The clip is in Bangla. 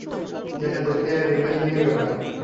যেটা দুঃখের আর বিভ্রান্তিকর ব্যাপার।